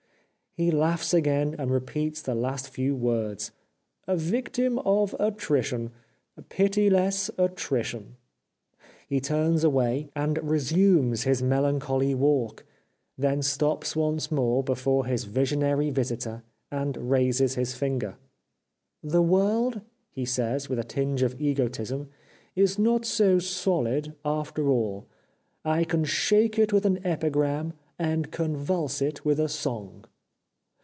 He laughs again, and repeats the last few words :"^ A victim of attrition. Piti less attri tion." He turns away, and resumes his melan choly walk ; then stops once more before his visionary visitor, and raises his finger. '' The world," he says, with a tinge of egotism, '' is not so solid after all. I can shake it with an epigram and convulse it with a song."